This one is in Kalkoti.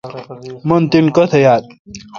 من تینہ کتہ یال۔